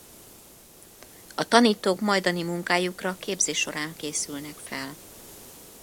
A tanítók majdani munkájukra képzés során készülnek fel.